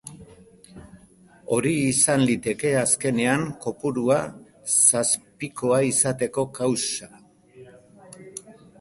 Hori izan liteke azkenean kopurua zazpikoa izateko kausa.